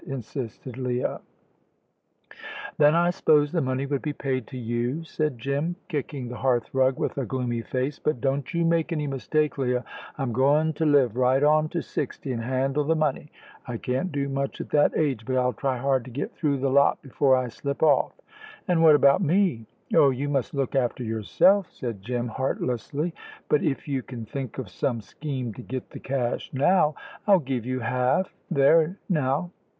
insisted Leah. "Then I 'spose the money would be paid to you," said Jim, kicking the hearth rug with a gloomy face; "but don't you make any mistake, Leah. I'm goin' to live right on to sixty and handle the money. I can't do much at that age, but I'll try hard to get through the lot before I slip off." "And what about me?" "Oh, you must look after yourself," said Jim, heartlessly; "but if you can think of some scheme to get the cash now, I'll give you half there now.